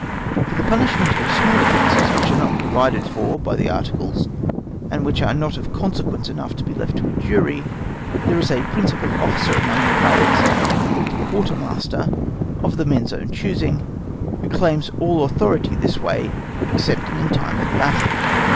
For the punishment of small offences which are not provided for by the articles, and which are not of consequence enough to be left to a jury, there is a principal officer among the pirates, called the quartermaster, of the men's own choosing, who claims all authority this way, excepting in time of battle.